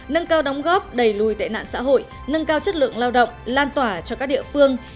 nâng cao đóng góp đầy lùi tệ nạn xã hội nâng cao chất lượng lao động lan tỏa cho các địa phương